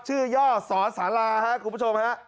ย่อสอสาราครับคุณผู้ชมฮะ